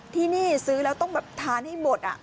ที่นี่ซื้อแล้วต้องแบบทานให้หมด